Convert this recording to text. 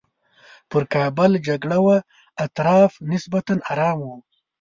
پر کابل جګړه وه اطراف نسبتاً ارام وو.